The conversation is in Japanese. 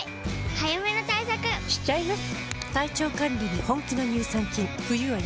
早めの対策しちゃいます。